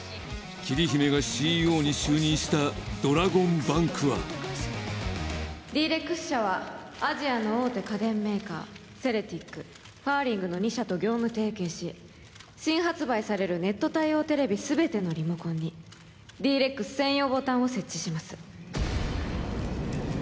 桐姫がＣＥＯに就任したドラゴンバンクはＤ−ＲＥＸ社はアジアの大手家電メーカーセレティックファーリングの２社と業務提携し新発売されるネット対応テレビ全てのリモコンにＤ−ＲＥＸ専用ボタンを設置します